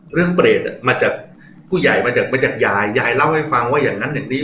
เปรตมาจากผู้ใหญ่มาจากมาจากยายยายเล่าให้ฟังว่าอย่างนั้นอย่างนี้